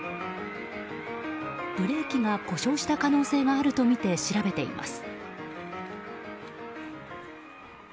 ブレーキが故障した可能性があるとみて調べています。